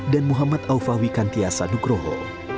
dan muhammad aufawi kantiasa nugroho